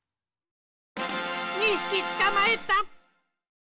２ひきつかまえた。